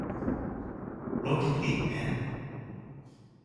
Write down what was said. รถยังติดแฮะ